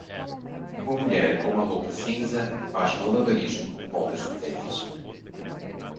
Uma mulher com uma roupa cinza faz malabarismo com bolas de tênis.